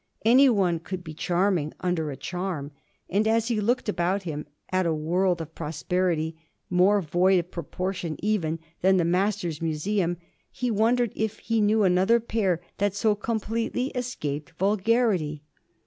Anyone could be charming under a charm, and as he looked about him at a world of prosperity more void of proportion even than the Master's museum he wondered if he knew another pair that so completely escaped vulgarity.